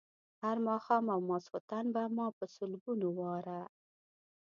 هر ماښام او ماخوستن به ما په سلګونو واره.